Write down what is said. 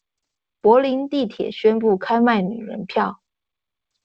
柏林地鐵宣布開賣女人票